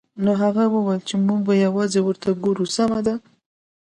نو هغه وویل چې موږ به یوازې ورته وګورو سمه ده